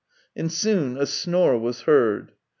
And soon a snore was heard.